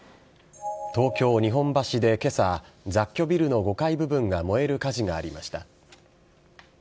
東京・日本橋でけさ、雑居ビルの５階部分が燃える火事がありました。